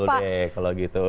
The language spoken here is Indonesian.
saya minum dulu deh kalau gitu